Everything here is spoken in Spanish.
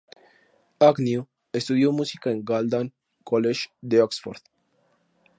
Agnew estudió música en el Magdalen College de Oxford.